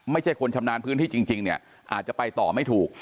ไม่ใช่คนชำนาญพื้นที่จริงเนี่ยอาจจะไปต่อไม่ถูก